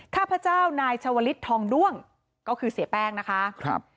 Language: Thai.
ข้าพเจ้านายชาวลิศทองด้วงก็คือเสียแป้งนะคะครับ